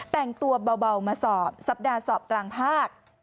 แต่งตัวเบามาสอบสัปดาห์สอบกลางภาค